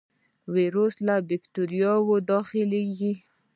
ویروسونه او باکتریاوې داخليږي.